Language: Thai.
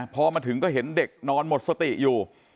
พอมาถึงก็เห็นเด็กนอนหมดสติอยู่